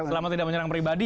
selama tidak menyerang pribadi